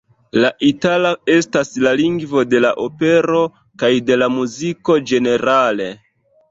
La itala estas la lingvo de la opero kaj de la muziko ĝenerale.